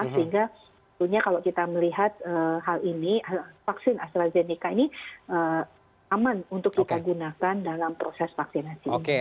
sehingga kalau kita melihat hal ini vaksin astrazeneca ini aman untuk kita gunakan dalam proses vaksinasi ini